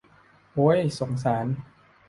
โอ้ย สงสาร